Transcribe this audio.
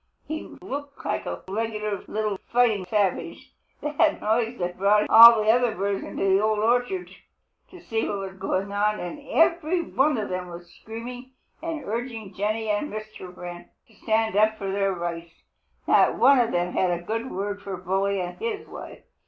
He looked like a regular little fighting savage. The noise had brought all the other birds in the Old Orchard to see what was going on, and every one of them was screaming and urging Jenny and Mr. Wren to stand up for their rights. Not one of them had a good word for Bully and his wife.